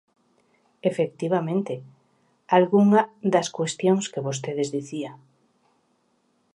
Efectivamente, algunha das cuestións que vostedes dicía.